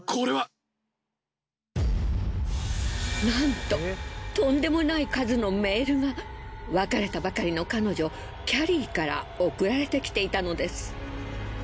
なんととんでもない数のメールが別れたばかりの彼女キャリーから送られてきていたのです。